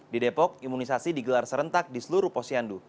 di depok imunisasi digelar serentak di seluruh posyandu